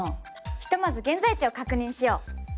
ひとまず現在地を確認しよう。